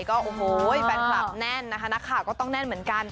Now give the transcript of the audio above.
ก็โอ้โหแฟนคลับแน่นนะคะนักข่าวก็ต้องแน่นเหมือนกัน